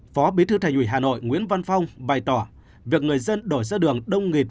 phó bí thư thành ủy hà nội nguyễn văn phong bày tỏ việc người dân đổi ra đường đông nghịt